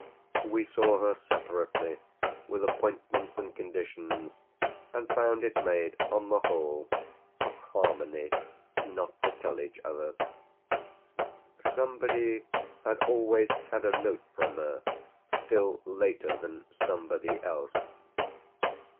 We saw her separately, with appointments and conditions, and found it made on the whole for harmony not to tell each other. Somebody had always had a note from her still later than somebody else.